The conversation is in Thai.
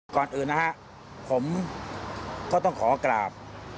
ก่อนอื่นนะฮะผมก็ต้องขอกราบ